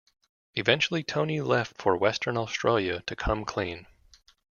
Eventually Tony left for Western Australia to come clean.